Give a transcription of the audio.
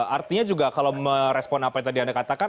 artinya juga kalau merespon apa yang tadi anda katakan